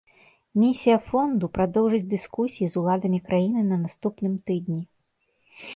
Місія фонду прадоўжыць дыскусіі з уладамі краіны на наступным тыдні.